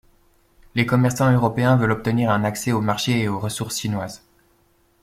Les commerçants européens veulent obtenir un accès au marché et aux ressources chinoises.